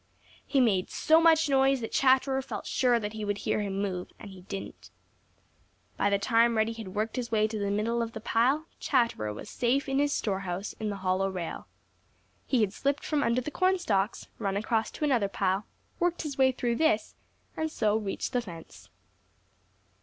He made so much noise that Chatterer felt sure that he wouldn't hear him move, and he didn't. By the time Reddy had worked his way to the middle of the pile, Chatterer was safe in his store house in the hollow rail. He had slipped from under the cornstalks, run across to another pile, worked his way through this, and so reached the fence.